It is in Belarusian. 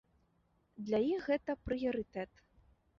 Для іх гэта прыярытэт.